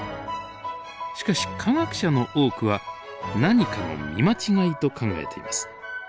しかし科学者の多くは何かの見間違いと考えています。